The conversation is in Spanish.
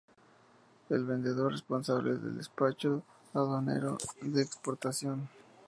El vendedor es responsable del despacho aduanero de exportación.